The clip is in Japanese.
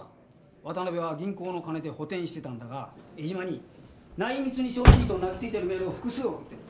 渡辺は銀行の金で補填してたんだが江島に内密にしてほしいと泣きついてるメールを複数送ってる。